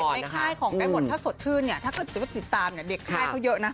เด็กในค่ายของแก่หมดถ้าสดชื่นเนี่ยถ้าเกิดจะติดตามเด็กค่ายเขาเยอะนะประมาณ๒๐กว่าคนเลยนะคุณยุค